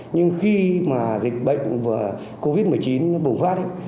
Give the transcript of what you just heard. nhưng khi mà dịch bệnh covid một mươi chín bùng phát